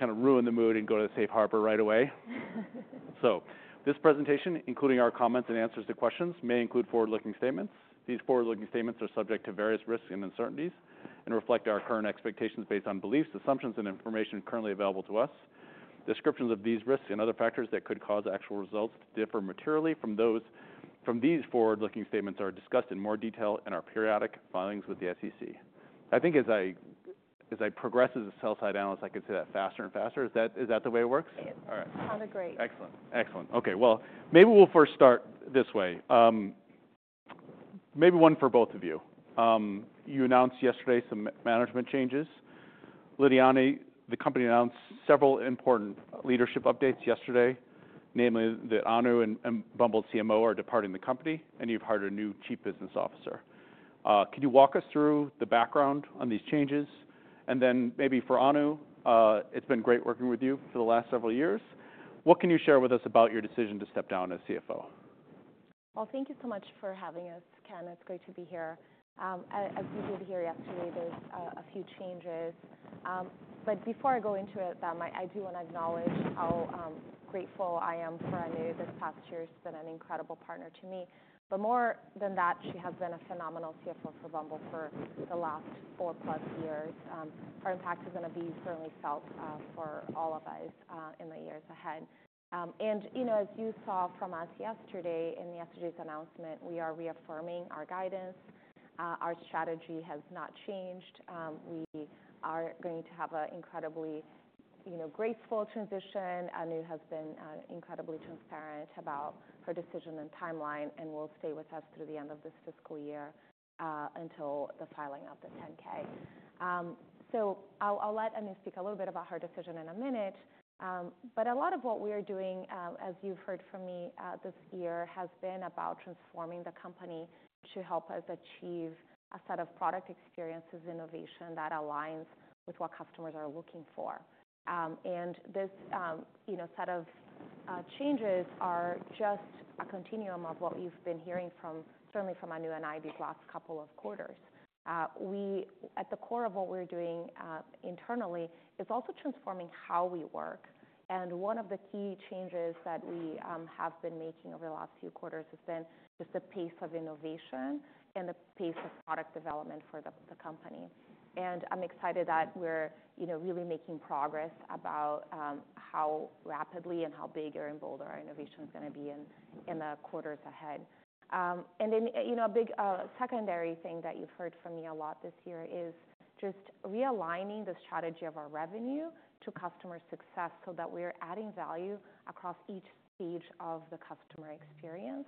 Kind of ruin the mood and go to the safe harbor right away. So this presentation, including our comments and answers to questions, may include forward-looking statements. These forward-looking statements are subject to various risks and uncertainties and reflect our current expectations based on beliefs, assumptions, and information currently available to us. Descriptions of these risks and other factors that could cause actual results differ materially from those from these forward-looking statements are discussed in more detail in our periodic filings with the SEC. I think as I progress as a Sell-Side Analyst, I can say that faster and faster. Is that the way it works? Yes. Sounded great. Excellent. Excellent. Okay. Well, maybe we'll first start this way. Maybe one for both of you. You announced yesterday some management changes. Lidiane, the company announced several important leadership updates yesterday, namely that Anu and Bumble's CMO are departing the company, and you've hired a new Chief Business Officer. Can you walk us through the background on these changes? Then maybe for Anu, it's been great working with you for the last several years. What can you share with us about your decision to step down as CFO? Well, thank you so much for having us, Ken. It's great to be here. And we did hear yesterday there's a few changes. But before I go into it, I do wanna acknowledge how grateful I am for Anu. This past year's been an incredible partner to me. But more than that, she has been a phenomenal CFO for Bumble for the last four-plus years. Her impact is gonna be certainly felt for all of us in the years ahead. And you know, as you saw from us yesterday in yesterday's announcement, we are reaffirming our guidance. Our strategy has not changed. We are going to have an incredibly you know, graceful transition. Anu has been incredibly transparent about her decision and timeline, and will stay with us through the end of this fiscal year, until the filing of the 10-K. So I'll let Anu speak a little bit about her decision in a minute. But a lot of what we are doing, as you've heard from me, this year has been about transforming the company to help us achieve a set of product experiences and innovation that aligns with what customers are looking for. And this, you know, set of changes are just a continuum of what we've been hearing from certainly Anu and I these last couple of quarters. We at the core of what we're doing internally is also transforming how we work. And one of the key changes that we have been making over the last few quarters has been just the pace of innovation and the pace of product development for the company. I'm excited that we're, you know, really making progress about how rapidly and how bigger and bolder our innovation's gonna be in the quarters ahead. Then, you know, a big secondary thing that you've heard from me a lot this year is just realigning the strategy of our revenue to customer success so that we are adding value across each stage of the customer experience.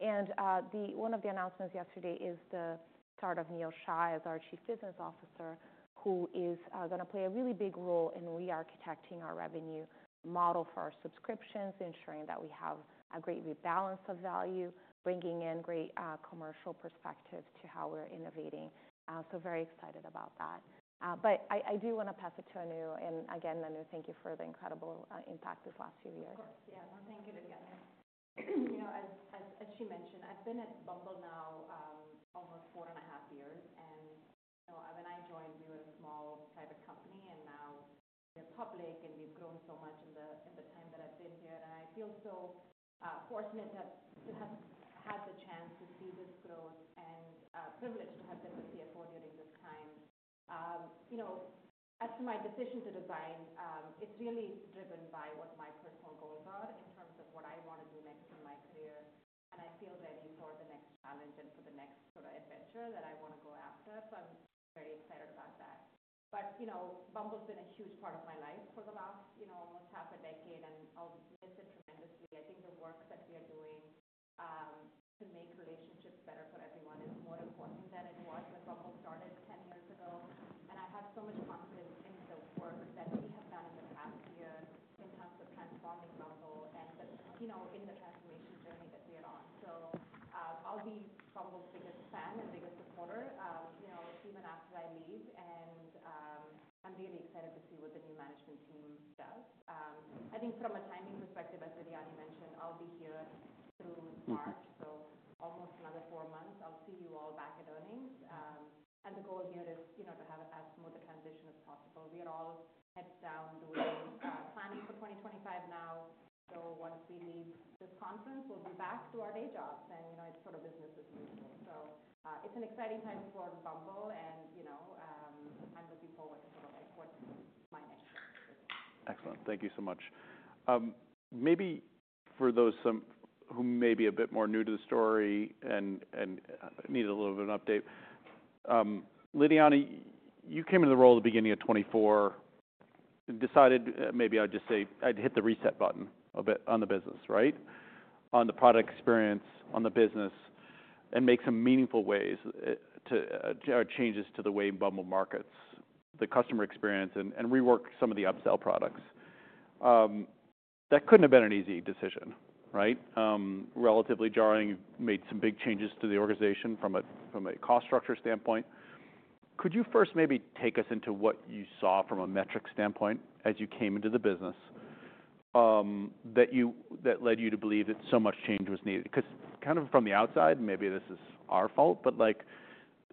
One of the announcements yesterday is the start of Neil Shah as our Chief Business Officer, who is gonna play a really big role in re-architecting our revenue model for our subscriptions, ensuring that we have a great rebalance of value, bringing in great commercial perspective to how we're innovating. Very excited about that. I do want to pass it to Anu. Again, Anu, thank you for the incredible impact these last few years. Of course. Yeah. No, thank you again. You know, as she mentioned, I've been at Bumble now, almost four and a half years. And you know, when I joined, we were a small private company, and now we're public, and we've grown so much in the time that I've been here. And I feel so fortunate to have had the chance to see this growth and privilege to have been the CFO during this time. You know, as to my decision to resign, it's really driven by what my personal goals are in terms of what I wanna do next in my career. And I feel ready for the next challenge and for the next sort of adventure that I wanna go after, so I'm very excited about that. You know, Bumble's been a huge part of my life for the last, you know, almost half a decade, and I'll miss it tremendously. I think the work that we are doing, to make relationships better for everyone is more important than it was when Bumble started 10 years ago. I have so much confidence in the work that we have done in the past year in terms of transforming Bumble and the, you know, in the transformation journey that we are on. I'll be Bumble's biggest fan and biggest supporter, you know, even after I leave. I'm really excited to see what the new management team does. I think from a timing perspective, as Lidiane mentioned, I'll be here through March, so almost another four months. I'll see you all back at earnings. And the goal here is, you know, to have as smooth a transition as possible. We are all heads down doing, planning for 2025 now. So once we leave this conference, we'll be back to our day jobs. And, you know, it's sort of business as usual. So, it's an exciting time for Bumble, and, you know, I'm looking forward to sort of, like, what's my next steps. Excellent. Thank you so much. Maybe for those who may be a bit more new to the story and need a little bit of an update, Lidiane, you came into the role at the beginning of 2024 and decided, maybe I would just say, I'd hit the reset button a bit on the business, right, on the product experience, on the business, and make some meaningful changes to the way Bumble markets the customer experience and rework some of the upsell products. That couldn't have been an easy decision, right? Relatively jarring, made some big changes to the organization from a cost structure standpoint. Could you first maybe take us into what you saw from a metric standpoint as you came into the business, that led you to believe that so much change was needed? 'Cause kind of from the outside, maybe this is our fault, but, like,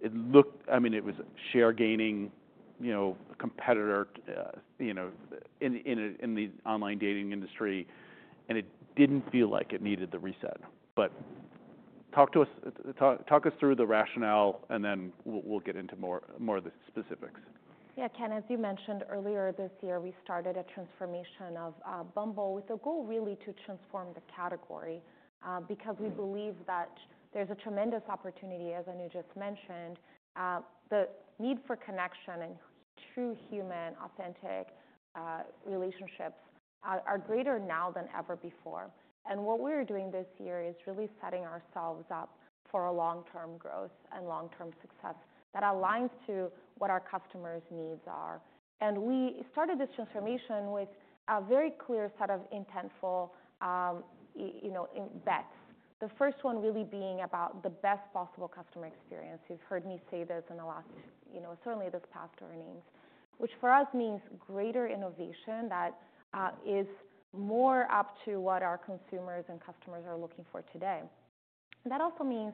it looked, I mean, it was share-gaining, you know, competitor, you know, in the online dating industry, and it didn't feel like it needed the reset. But talk to us through the rationale, and then we'll get into more of the specifics. Yeah. Ken, as you mentioned earlier, this year we started a transformation of Bumble with a goal really to transform the category, because we believe that there's a tremendous opportunity, as Anu just mentioned, the need for connection and true human authentic relationships are greater now than ever before. And what we're doing this year is really setting ourselves up for a long-term growth and long-term success that aligns to what our customers' needs are. And we started this transformation with a very clear set of intentful you know invests. The first one really being about the best possible customer experience. You've heard me say this in the last you know certainly this past earnings, which for us means greater innovation that is more up to what our consumers and customers are looking for today. That also means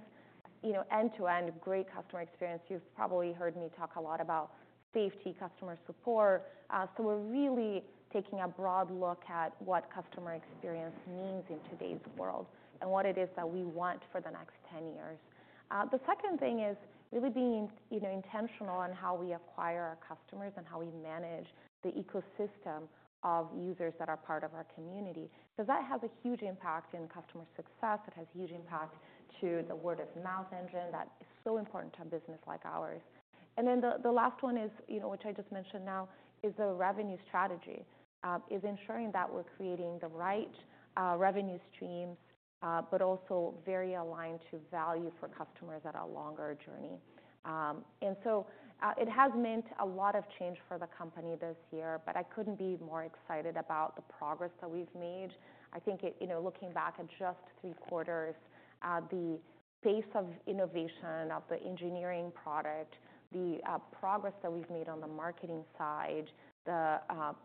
you know end-to-end great customer experience. You've probably heard me talk a lot about safety, customer support, so we're really taking a broad look at what customer experience means in today's world and what it is that we want for the next 10 years. The second thing is really being, you know, intentional on how we acquire our customers and how we manage the ecosystem of users that are part of our community 'cause that has a huge impact in customer success. It has a huge impact to the word-of-mouth engine that is so important to a business like ours. And then the last one is, you know, which I just mentioned now, is the revenue strategy, is ensuring that we're creating the right, revenue streams, but also very aligned to value for customers that are longer journey. And so, it has meant a lot of change for the company this year, but I couldn't be more excited about the progress that we've made. I think it, you know, looking back at just three quarters, the pace of innovation of the engineering product, the progress that we've made on the marketing side, the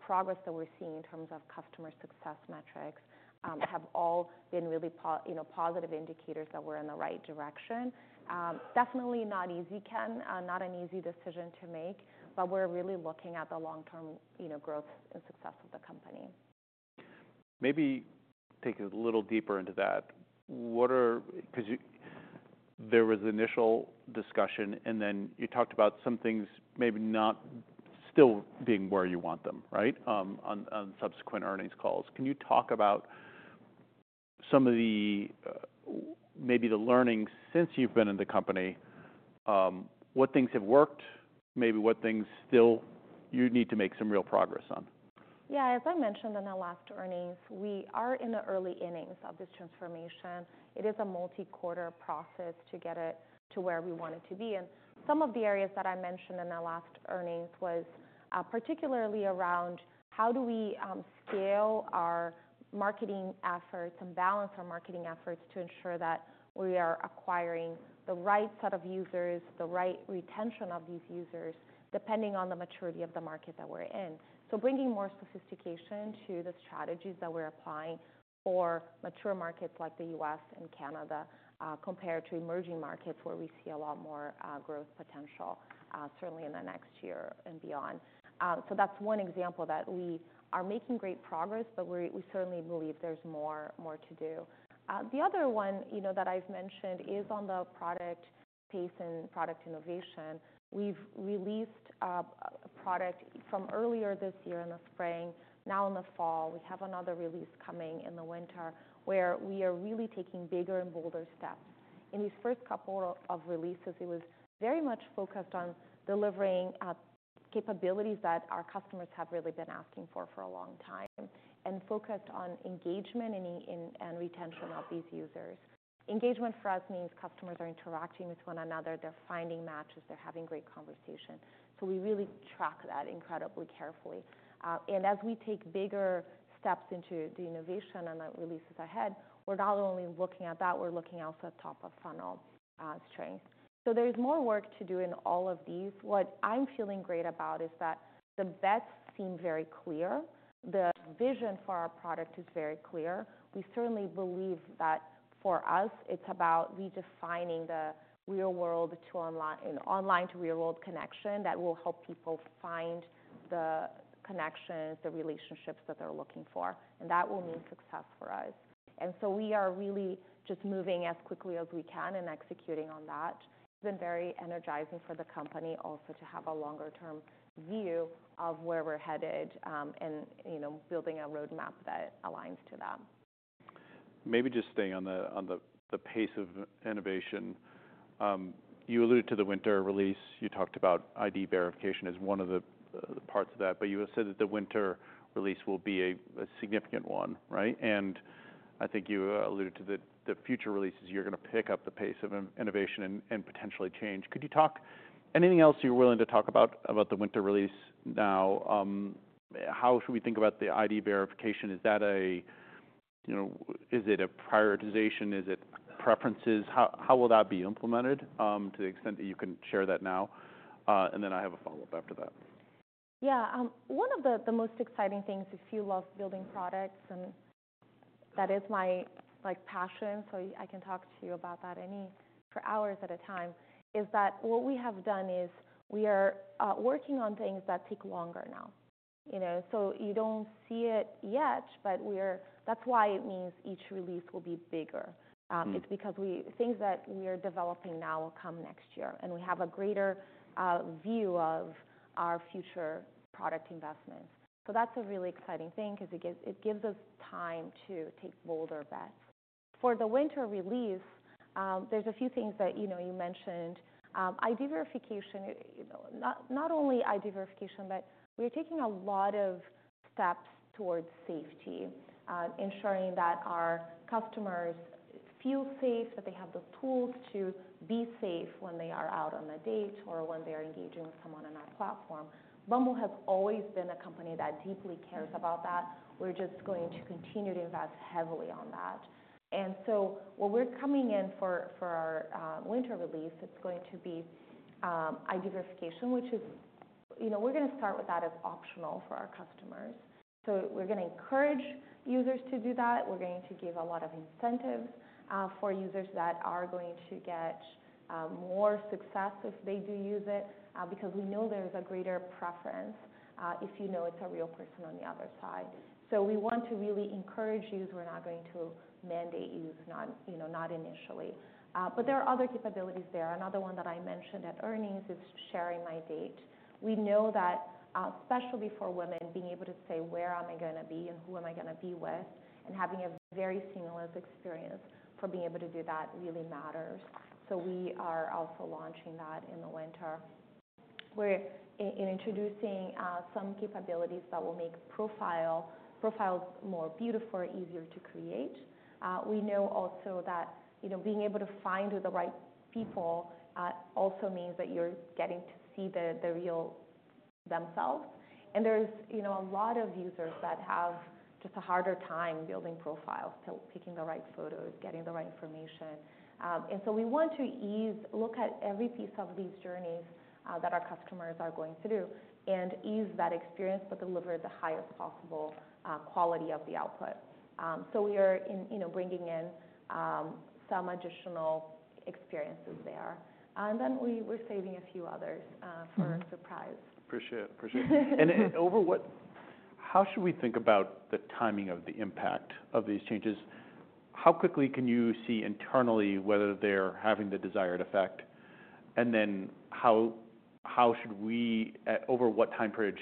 progress that we're seeing in terms of customer success metrics, have all been really positive, you know, indicators that we're in the right direction. Definitely not easy, Ken, not an easy decision to make, but we're really looking at the long-term, you know, growth and success of the company. Maybe take it a little deeper into that. What about, 'cause there was initial discussion, and then you talked about some things maybe not still being where you want them, right, on subsequent earnings calls. Can you talk about some of the, maybe the learnings since you've been in the company, what things have worked, maybe what things still you need to make some real progress on? Yeah. As I mentioned in the last earnings, we are in the early innings of this transformation. It is a multi-quarter process to get it to where we want it to be. And some of the areas that I mentioned in the last earnings was, particularly around how do we scale our marketing efforts and balance our marketing efforts to ensure that we are acquiring the right set of users, the right retention of these users depending on the maturity of the market that we're in. So bringing more sophistication to the strategies that we're applying for mature markets like the U.S. and Canada, compared to emerging markets where we see a lot more growth potential, certainly in the next year and beyond. So that's one example that we are making great progress, but we certainly believe there's more to do. The other one, you know, that I've mentioned is on the product space and product innovation. We've released a product from earlier this year in the spring. Now in the fall, we have another release coming in the winter where we are really taking bigger and bolder steps. In these first couple of releases, it was very much focused on delivering capabilities that our customers have really been asking for a long time and focused on engagement and retention of these users. Engagement for us means customers are interacting with one another. They're finding matches. They're having great conversation. So we really track that incredibly carefully, and as we take bigger steps into the innovation and the releases ahead, we're not only looking at that. We're looking also at top-of-funnel strengths. So there's more work to do in all of these. What I'm feeling great about is that the bets seem very clear. The vision for our product is very clear. We certainly believe that for us, it's about redefining the real-world to online and online-to-real-world connection that will help people find the connections, the relationships that they're looking for. And that will mean success for us. And so we are really just moving as quickly as we can and executing on that. It's been very energizing for the company also to have a longer-term view of where we're headed, and, you know, building a roadmap that aligns to that. Maybe just staying on the pace of innovation, you alluded to the winter release. You talked about ID verification as one of the parts of that, but you said that the winter release will be a significant one, right? And I think you alluded to the future releases. You're gonna pick up the pace of innovation and potentially change. Could you talk anything else you're willing to talk about, about the winter release now? How should we think about the ID verification? Is that a, you know, is it a prioritization? Is it preferences? How will that be implemented, to the extent that you can share that now? And then I have a follow-up after that. Yeah. One of the most exciting things, if you love building products, and that is my, like, passion, so I can talk to you about that any for hours at a time, is that what we have done is we are working on things that take longer now, you know? So you don't see it yet, but we are. That's why it means each release will be bigger. It's because the things that we are developing now will come next year, and we have a greater view of our future product investments. So that's a really exciting thing 'cause it gives us time to take bolder bets. For the winter release, there's a few things that, you know, you mentioned. ID verification, you know, not, not only ID verification, but we are taking a lot of steps towards safety, ensuring that our customers feel safe, that they have the tools to be safe when they are out on a date or when they are engaging with someone on our platform. Bumble has always been a company that deeply cares about that. We're just going to continue to invest heavily on that. And so what we're coming in for, for our winter release, it's going to be ID verification, which is, you know, we're gonna start with that as optional for our customers. So we're gonna encourage users to do that. We're going to give a lot of incentives for users that are going to get more success if they do use it, because we know there's a greater preference if you know it's a real person on the other side. So we want to really encourage you. We're not going to mandate you, not, you know, not initially. But there are other capabilities there. Another one that I mentioned at earnings is sharing my date. We know that, especially for women, being able to say, "Where am I gonna be and who am I gonna be with?" and having a very seamless experience for being able to do that really matters. So we are also launching that in the winter. We're introducing some capabilities that will make profiles more beautiful, easier to create. We know also that, you know, being able to find the right people, also means that you're getting to see the real themselves. And there's, you know, a lot of users that have just a harder time building profiles, picking the right photos, getting the right information. And so we want to take a look at every piece of these journeys that our customers are going through and ease that experience but deliver the highest possible quality of the output. So we are in, you know, bringing in some additional experiences there. And then we were saving a few others for surprise. Appreciate it. Appreciate it. And over what? How should we think about the timing of the impact of these changes? How quickly can you see internally whether they're having the desired effect, and then how should we, over what time period,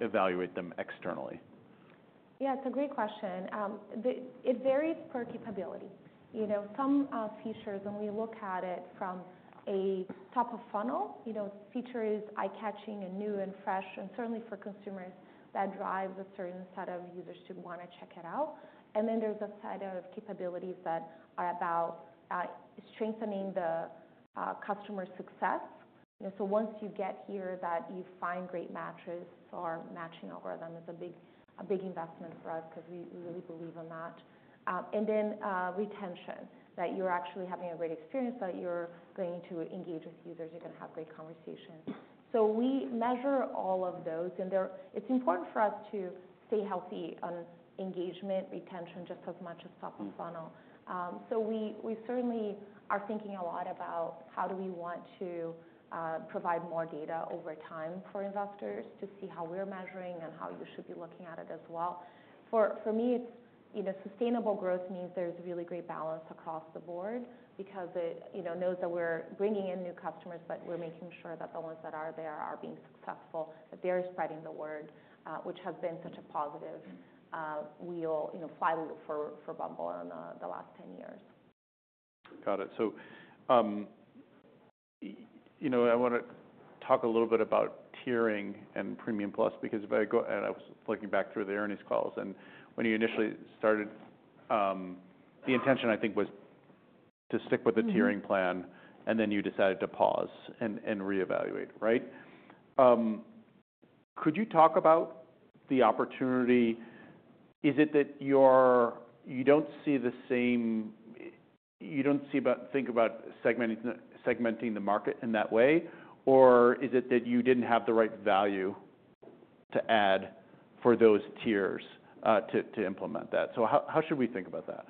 evaluate them externally? Yeah. It's a great question. It varies per capability. You know, some features, when we look at it from a top-of-funnel, you know, feature is eye-catching and new and fresh, and certainly for consumers, that drives a certain set of users to wanna check it out. Then there's a set of capabilities that are about strengthening the customer success. So once you get here that you find great matches or matching algorithm is a big investment for us 'cause we really believe in that. Then retention, that you're actually having a great experience, that you're going to engage with users. You're gonna have great conversations. So we measure all of those, and they're important. It's important for us to stay healthy on engagement, retention, just as much as top-of-funnel. So we certainly are thinking a lot about how we want to provide more data over time for investors to see how we're measuring and how you should be looking at it as well. For me, it's, you know, sustainable growth means there's really great balance across the board because it, you know, knows that we're bringing in new customers, but we're making sure that the ones that are there are being successful, that they're spreading the word, which has been such a positive, you know, flywheel for Bumble in the last 10 years. Got it. So, you know, I wanna talk a little bit about tiering and Premium+ because if I go and I was looking back through the earnings calls, and when you initially started, the intention, I think, was to stick with the tiering plan, and then you decided to pause and reevaluate, right? Could you talk about the opportunity? Is it that you don't see the same about think about segmenting the market in that way, or is it that you didn't have the right value to add for those tiers, to implement that? So how should we think about that?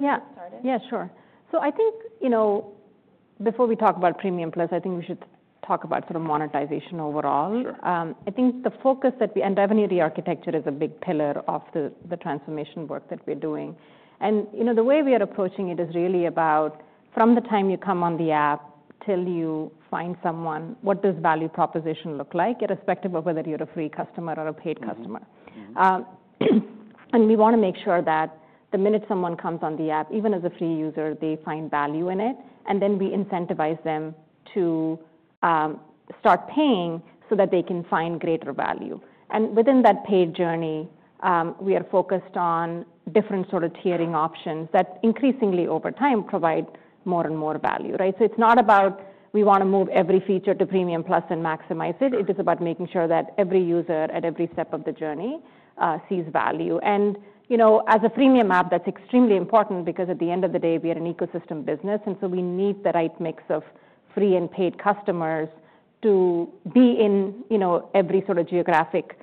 Yeah. Get started? Yeah. Sure. So I think, you know, before we talk about Premium+, I think we should talk about sort of monetization overall. Sure. I think the focus that we and revenue re-architecture is a big pillar of the transformation work that we're doing. And, you know, the way we are approaching it is really about from the time you come on the app till you find someone, what does value proposition look like irrespective of whether you're a free customer or a paid customer? And we wanna make sure that the minute someone comes on the app, even as a free user, they find value in it, and then we incentivize them to start paying so that they can find greater value. And within that paid journey, we are focused on different sort of tiering options that increasingly over time provide more and more value, right? So it's not about we wanna move every feature to Premium+ and maximize it. It is about making sure that every user at every step of the journey sees value. And, you know, as a freemium app, that's extremely important because at the end of the day, we are an ecosystem business, and so we need the right mix of free and paid customers to be in, you know, every sort of geographic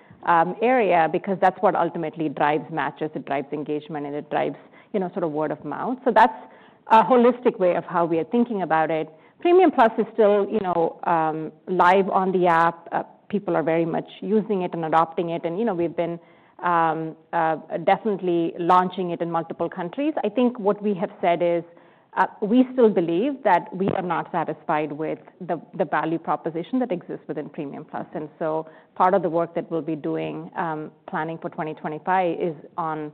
area because that's what ultimately drives matches. It drives engagement, and it drives, you know, sort of word of mouth. So that's a holistic way of how we are thinking about it. Premium+ is still, you know, live on the app. People are very much using it and adopting it. And, you know, we've been definitely launching it in multiple countries. I think what we have said is, we still believe that we are not satisfied with the value proposition that exists within Premium+. And so part of the work that we'll be doing, planning for 2025 is on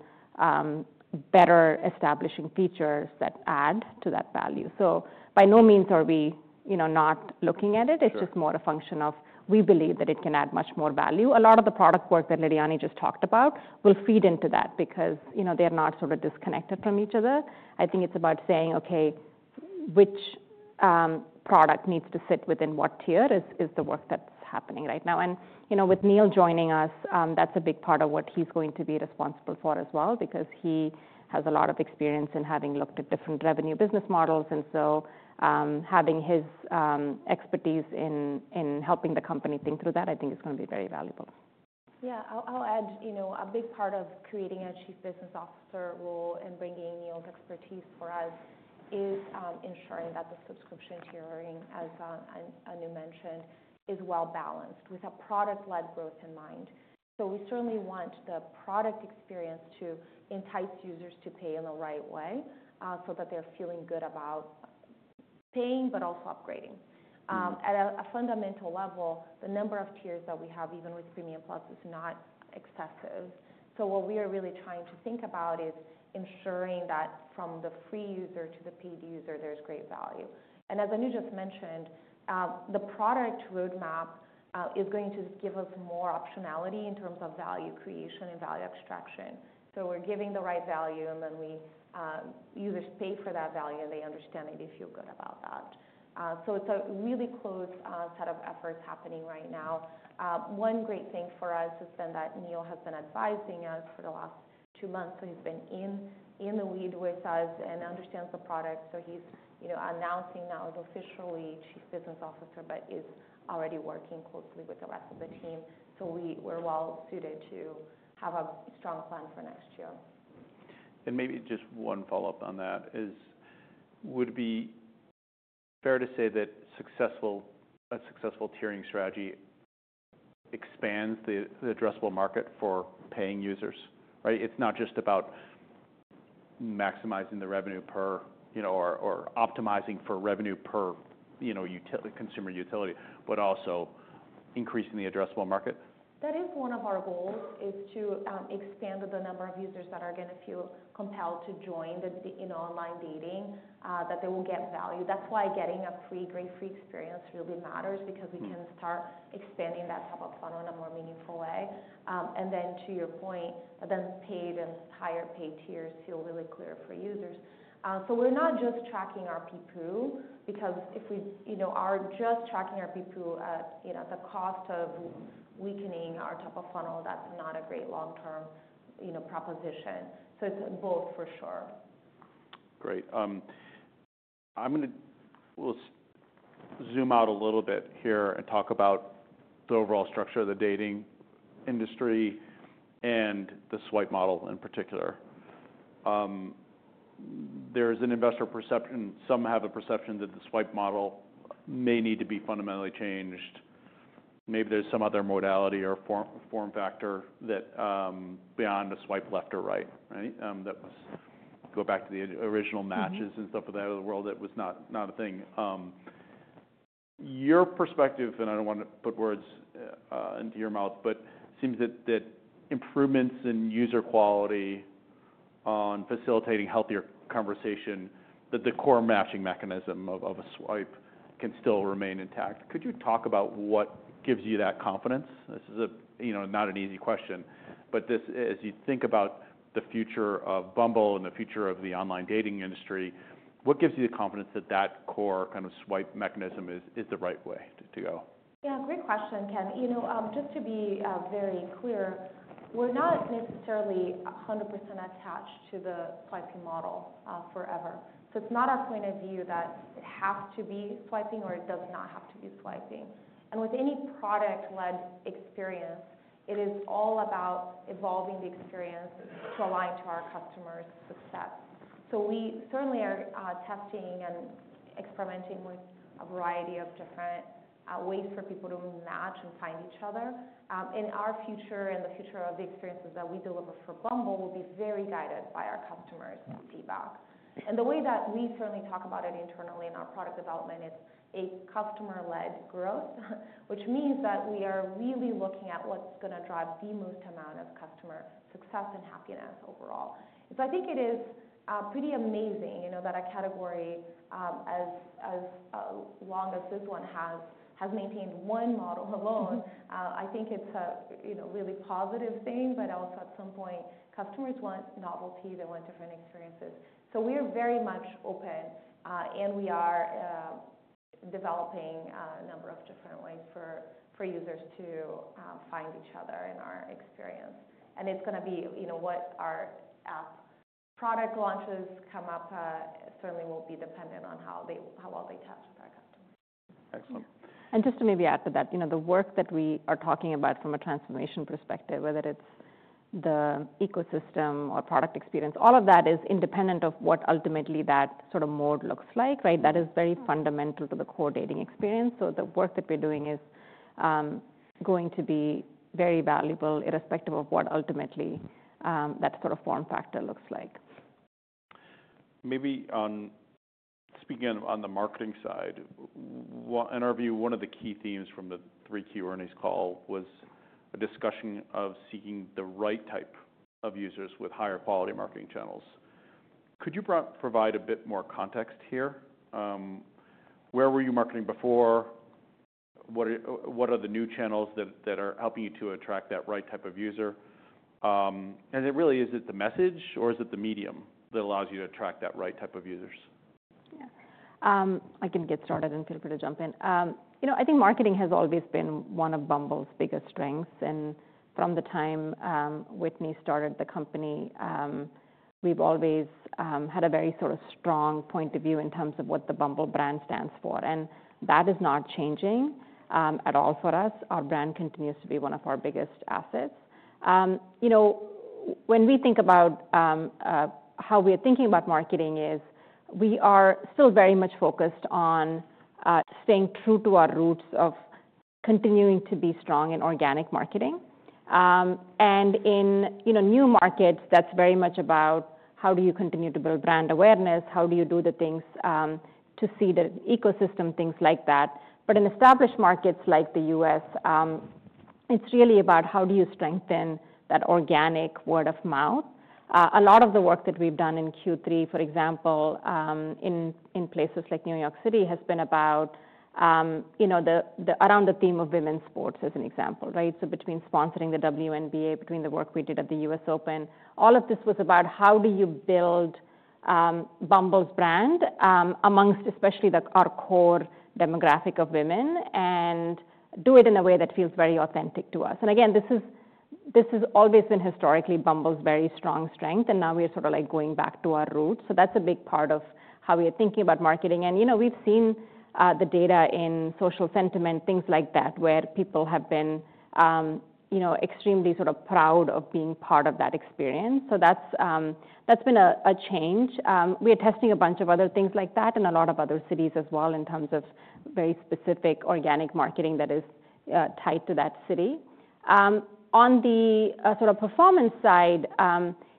better establishing features that add to that value. So by no means are we, you know, not looking at it. It's just more a function of we believe that it can add much more value. A lot of the product work that Lidiane just talked about will feed into that because, you know, they're not sort of disconnected from each other. I think it's about saying, "Okay, which product needs to sit within what tier?" is the work that's happening right now, and you know, with Neil joining us, that's a big part of what he's going to be responsible for as well because he has a lot of experience in having looked at different revenue business models, and so, having his expertise in helping the company think through that, I think, is gonna be very valuable. Yeah. I'll add, you know, a big part of creating a Chief Business Officer role and bringing Neil's expertise for us is ensuring that the subscription tiering, as Anu mentioned, is well-balanced with a product-led growth in mind. So we certainly want the product experience to entice users to pay in the right way, so that they're feeling good about paying but also upgrading. At a fundamental level, the number of tiers that we have, even with Premium+, is not excessive. So what we are really trying to think about is ensuring that from the free user to the paid user, there's great value. And as Anu just mentioned, the product roadmap is going to give us more optionality in terms of value creation and value extraction. We're giving the right value, and then users pay for that value, and they understand it if you're good about that. It's a really close set of efforts happening right now. One great thing for us has been that Neil has been advising us for the last two months. So he's been in the weeds with us and understands the product. So he's, you know, announcing now is officially Chief Business Officer but is already working closely with the rest of the team. So we're well-suited to have a strong plan for next year. And maybe just one follow-up on that is, would it be fair to say that a successful tiering strategy expands the addressable market for paying users, right? It's not just about maximizing the revenue per, you know, or optimizing for revenue per, you know, user consumer utility, but also increasing the addressable market? That is one of our goals, is to expand the number of users that are gonna feel compelled to join the you know online dating, that they will get value. That's why getting a free, great free experience really matters because we can start expanding that top-of-funnel in a more meaningful way. And then to your point, then paid and higher paid tiers feel really clear for users. So we're not just tracking our people because if we you know are just tracking our people at you know at the cost of weakening our top-of-funnel, that's not a great long-term you know proposition. So it's both for sure. Great. I'm gonna zoom out a little bit here and talk about the overall structure of the dating industry and the swipe model in particular. There's an investor perception some have a perception that the swipe model may need to be fundamentally changed. Maybe there's some other modality or form factor that, beyond a swipe left or right, right, that would go back to the original matches and stuff of that world that was not a thing. Your perspective, and I don't wanna put words into your mouth, but seems that improvements in user quality on facilitating healthier conversation, that the core matching mechanism of a swipe can still remain intact. Could you talk about what gives you that confidence? This is, you know, not an easy question, but as you think about the future of Bumble and the future of the online dating industry, what gives you the confidence that that core kind of swipe mechanism is the right way to go? Yeah. Great question, Ken. You know, just to be very clear, we're not necessarily 100% attached to the swiping model forever. So it's not our point of view that it has to be swiping or it does not have to be swiping. And with any product-led experience, it is all about evolving the experience to align to our customer's success. So we certainly are testing and experimenting with a variety of different ways for people to match and find each other. And our future and the future of the experiences that we deliver for Bumble will be very guided by our customers' feedback. And the way that we certainly talk about it internally in our product development is a customer-led growth, which means that we are really looking at what's gonna drive the most amount of customer success and happiness overall. So I think it is pretty amazing, you know, that a category as long as this one has maintained one model alone. I think it's a, you know, really positive thing, but also at some point, customers want novelty. They want different experiences. So we are very much open, and we are developing a number of different ways for users to find each other in our experience. And it's gonna be, you know, what our app product launches come up, certainly will be dependent on how well they test with our customers. Excellent. Yeah. And just to maybe add to that, you know, the work that we are talking about from a transformation perspective, whether it's the ecosystem or product experience, all of that is independent of what ultimately that sort of model looks like, right? That is very fundamental to the core dating experience. So the work that we're doing is going to be very valuable irrespective of what ultimately that sort of form factor looks like. Maybe, speaking on the marketing side, in our view, one of the key themes from the 3Q earnings call was a discussion of seeking the right type of users with higher quality marketing channels. Could you provide a bit more context here? Where were you marketing before? What are the new channels that are helping you to attract that right type of user? And is it really the message, or is it the medium that allows you to attract that right type of users? Yeah. I can get started, and feel free to jump in. You know, I think marketing has always been one of Bumble's biggest strengths, and from the time Whitney started the company, we've always had a very sort of strong point of view in terms of what the Bumble brand stands for, and that is not changing at all for us. Our brand continues to be one of our biggest assets. You know, when we think about how we are thinking about marketing is we are still very much focused on staying true to our roots of continuing to be strong in organic marketing, and in you know new markets, that's very much about how do you continue to build brand awareness, how do you do the things to seed the ecosystem, things like that. In established markets like the U.S., it's really about how do you strengthen that organic word of mouth. A lot of the work that we've done in Q3, for example, in places like New York City has been about, you know, around the theme of women's sports as an example, right? So between sponsoring the WNBA, between the work we did at the US Open, all of this was about how do you build Bumble's brand among especially our core demographic of women and do it in a way that feels very authentic to us. And again, this has always been historically Bumble's very strong strength, and now we are sort of like going back to our roots. So that's a big part of how we are thinking about marketing. You know, we've seen the data in social sentiment, things like that, where people have been, you know, extremely sort of proud of being part of that experience. So that's been a change. We are testing a bunch of other things like that in a lot of other cities as well in terms of very specific organic marketing that is tied to that city. On the sort of performance side,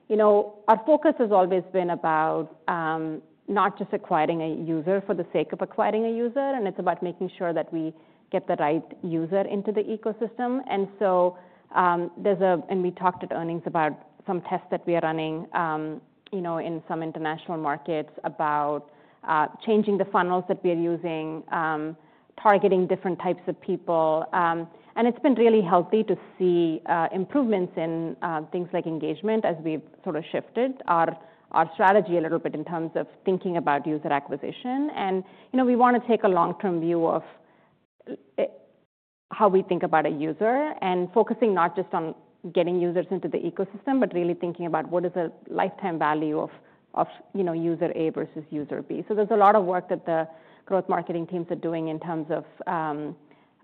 you know, our focus has always been about not just acquiring a user for the sake of acquiring a user, and it's about making sure that we get the right user into the ecosystem. And so, we talked at earnings about some tests that we are running, you know, in some international markets about changing the funnels that we are using, targeting different types of people. And it's been really healthy to see improvements in things like engagement as we've sort of shifted our strategy a little bit in terms of thinking about user acquisition. And, you know, we wanna take a long-term view of how we think about a user and focusing not just on getting users into the ecosystem but really thinking about what is the lifetime value of you know user A versus user B. So there's a lot of work that the growth marketing teams are doing in terms of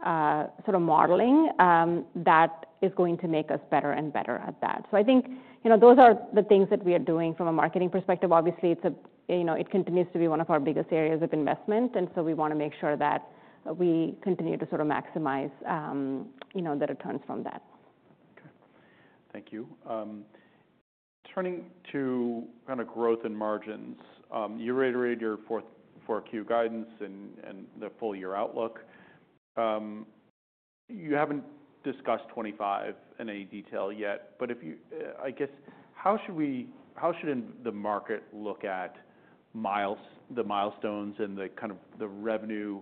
sort of modeling that is going to make us better and better at that. So I think you know those are the things that we are doing from a marketing perspective. Obviously, it's, you know, it continues to be one of our biggest areas of investment, and so we wanna make sure that we continue to sort of maximize, you know, the returns from that. Okay. Thank you. Turning to kind of growth and margins, you reiterated your 4Q guidance and the full year outlook. You haven't discussed 2025 in any detail yet, but I guess, how should the market look at the milestones and the kind of the revenue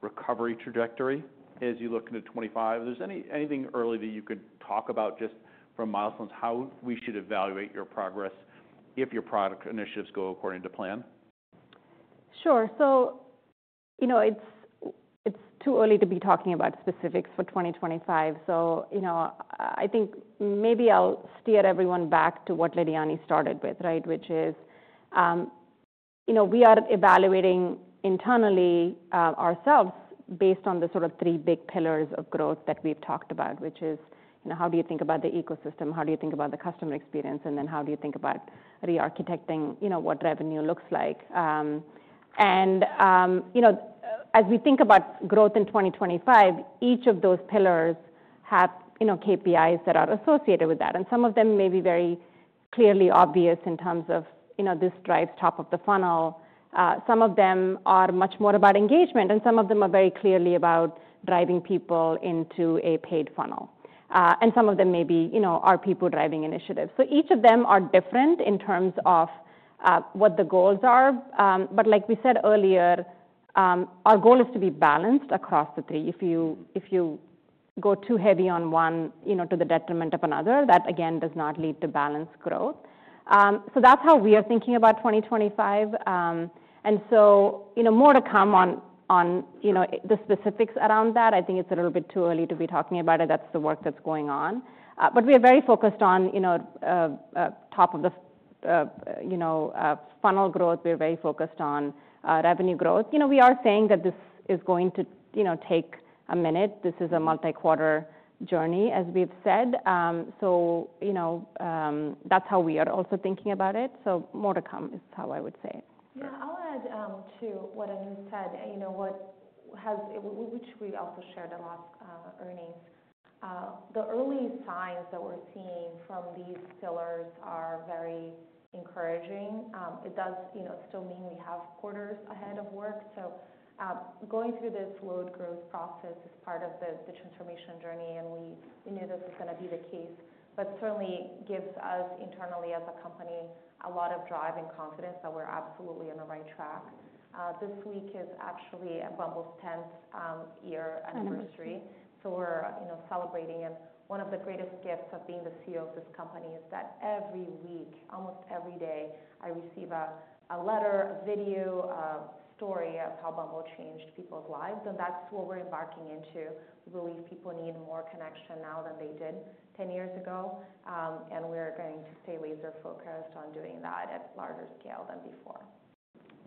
recovery trajectory as you look into 2025? Is there anything early that you could talk about just from milestones how we should evaluate your progress if your product initiatives go according to plan? Sure. So, you know, it's too early to be talking about specifics for 2025. So, you know, I think maybe I'll steer everyone back to what Lidiane started with, right, which is, you know, we are evaluating internally ourselves based on the sort of three big pillars of growth that we've talked about, which is, you know, how do you think about the ecosystem, how do you think about the customer experience, and then how do you think about re-architecting, you know, what revenue looks like, and you know, as we think about growth in 2025, each of those pillars have, you know, KPIs that are associated with that, and some of them may be very clearly obvious in terms of, you know, this drives top of the funnel. Some of them are much more about engagement, and some of them are very clearly about driving people into a paid funnel, and some of them may be, you know, our people-driving initiatives, so each of them are different in terms of what the goals are, but like we said earlier, our goal is to be balanced across the three. If you go too heavy on one, you know, to the detriment of another, that again does not lead to balanced growth, so that's how we are thinking about 2025, and so, you know, more to come on, you know, the specifics around that. I think it's a little bit too early to be talking about it. That's the work that's going on, but we are very focused on, you know, top of the funnel growth. We are very focused on revenue growth. You know, we are saying that this is going to, you know, take a minute. This is a multi-quarter journey, as we've said. So, you know, that's how we are also thinking about it. So more to come is how I would say it. Yeah. I'll add to what Anu said, you know, what has which we also shared in last earnings. The early signs that we're seeing from these pillars are very encouraging. It does, you know, still mean we have quarters ahead of work. So, going through this low growth process is part of the transformation journey, and we knew this was gonna be the case, but certainly gives us internally as a company a lot of drive and confidence that we're absolutely on the right track. This week is actually Bumble's 10th year anniversary. So, we're, you know, celebrating. And one of the greatest gifts of being the CEO of this company is that every week, almost every day, I receive a letter, a video, a story of how Bumble changed people's lives. And that's what we're embarking into. We believe people need more connection now than they did 10 years ago. And we are going to stay laser-focused on doing that at a larger scale than before.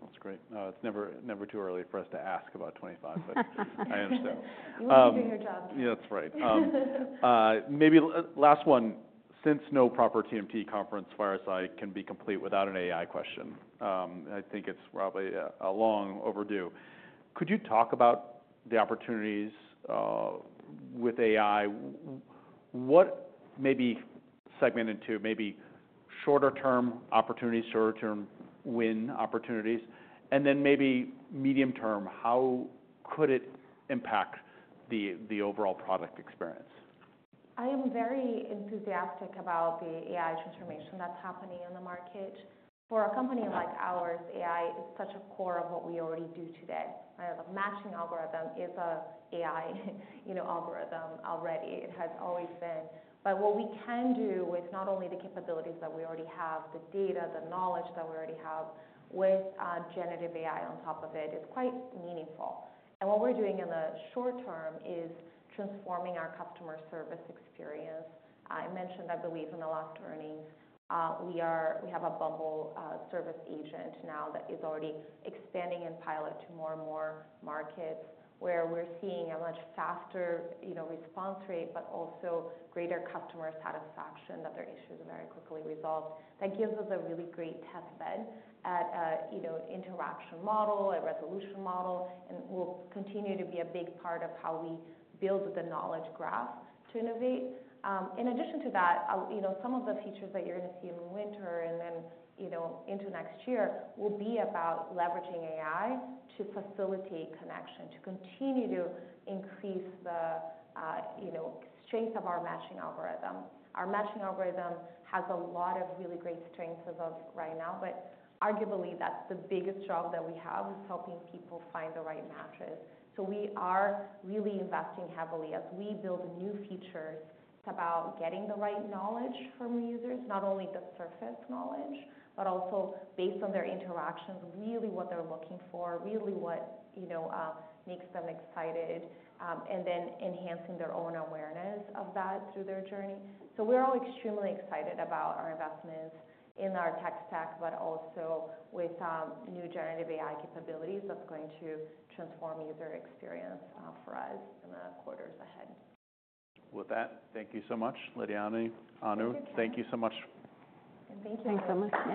That's great. It's never too early for us to ask about 2025, but I understand. You want to do your job. Yeah. That's right. Maybe last one. Since no proper TMT conference, fireside can be complete without an AI question. I think it's probably a long overdue. Could you talk about the opportunities with AI? What, maybe segment into maybe shorter-term opportunities, shorter-term win opportunities, and then maybe medium-term, how could it impact the overall product experience? I am very enthusiastic about the AI transformation that's happening in the market. For a company like ours, AI is such a core of what we already do today. You know, the matching algorithm is an AI, you know, algorithm already. It has always been. But what we can do with not only the capabilities that we already have, the data, the knowledge that we already have with generative AI on top of it is quite meaningful. And what we're doing in the short-term is transforming our customer service experience. I mentioned, I believe, in the last earnings, we have a Bumble service agent now that is already expanding in pilot to more and more markets where we're seeing a much faster, you know, response rate, but also greater customer satisfaction that their issues are very quickly resolved. That gives us a really great test bed at, you know, interaction model, a resolution model, and will continue to be a big part of how we build the knowledge graph to innovate. In addition to that, you know, some of the features that you're gonna see in winter and then, you know, into next year will be about leveraging AI to facilitate connection, to continue to increase the, you know, strength of our matching algorithm. Our matching algorithm has a lot of really great strengths as of right now, but arguably that's the biggest job that we have is helping people find the right matches. So we are really investing heavily as we build new features. It's about getting the right knowledge from users, not only the surface knowledge, but also based on their interactions, really what they're looking for, really what, you know, makes them excited, and then enhancing their own awareness of that through their journey. So we're all extremely excited about our investments in our tech stack, but also with, new generative AI capabilities that's going to transform user experience, for us in the quarters ahead. With that, thank you so much, Lidiane. Anu. Thank you. Thank you so much. Thank you. Thanks so much.